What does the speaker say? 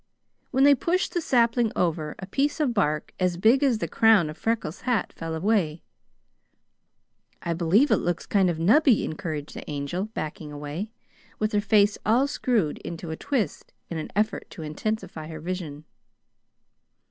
When they pushed the sapling over, a piece of bark as big as the crown of Freckles' hat fell away. "I believe it looks kind of nubby," encouraged the Angel, backing away, with her face all screwed into a twist in an effort to intensify her vision.